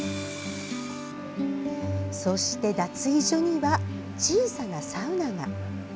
そして脱衣所には小さなサウナが。